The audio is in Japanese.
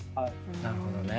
なるほどね。